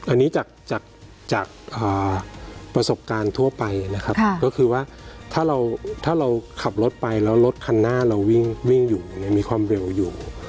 อันนี้จากประสบการณ์ทั่วไปนะครับก็คือว่าถ้าเราขับรถไปแล้วรถคันหน้าเราวิ่งอยู่ยังมีความเร็วอยู่